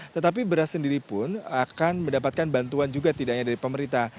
tetapi beras sendiri pun akan mendapatkan bantuan juga tidak hanya dari pemerintah